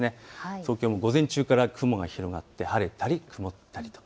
東京も午前中から雲が広がって晴れたり曇ったりと。